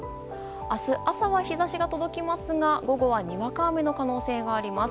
明日朝は日差しが届きますが午後はにわか雨の可能性があります。